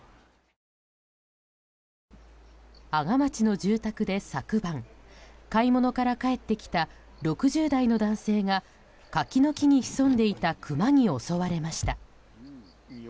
阿賀町の住宅で昨晩買い物から帰ってきた６０代の男性が柿の木に潜んでいたクマに襲われました。